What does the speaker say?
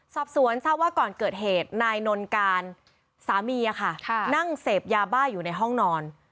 สอบสวนทราบว่าก่อนเกิดเหตุนายนนการสามีค่ะนั่งเสพยาบ้าอยู่ในห้องนอน